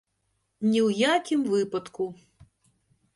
Ні ў якім выпадку.